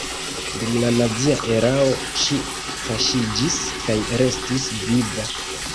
Dum la nazia erao ŝi kaŝiĝis kaj restis viva.